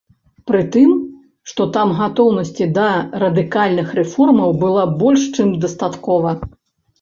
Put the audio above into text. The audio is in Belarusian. Прытым, што там гатоўнасці да радыкальных рэформаў было больш чым дастаткова.